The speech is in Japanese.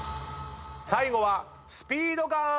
最後はスピードガン！